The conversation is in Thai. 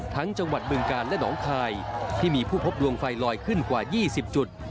จังหวัดบึงกาลและหนองคายที่มีผู้พบดวงไฟลอยขึ้นกว่า๒๐จุด